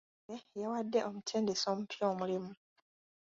Ttiimu yaffe yawadde omutendesi omupya omulimu.